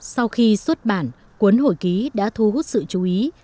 sau khi xuất bản cuốn hội ký đã thu hút sự chú ý